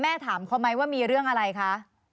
ถามเขาไหมว่ามีเรื่องอะไรคะ